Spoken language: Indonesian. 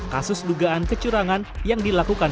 kasus dugaan kecurangan yang dilakukan